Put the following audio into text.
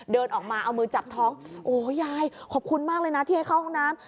เดินออกมาเอามือจับท้องโอ้ยายขอบคุณมากเลยนะที่ให้เข้าห้องน้ำ